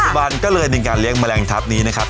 บันก็เลยในการเลี้ยงแมลงทัพนี้นะครับ